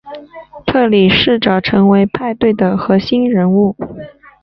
特里试着成为派对的核心人物。